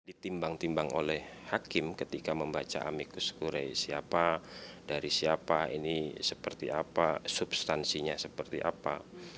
ditimbang timbang oleh hakim ketika membaca amikus kure siapa dari siapa ini seperti apa substansinya seperti apa